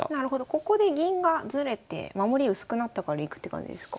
ここで銀がずれて守り薄くなったからいくって感じですか？